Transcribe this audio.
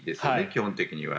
基本的には。